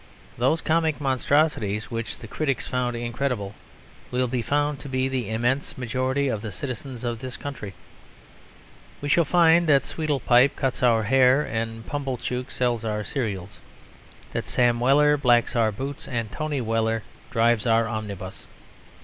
Those comic monstrosities which the critics found incredible will be found to be the immense majority of the citizens of this country. We shall find that Sweedlepipe cuts our hair and Pumblechook sells our cereals; that Sam Weller blacks our boots and Tony Weller drives our omnibus.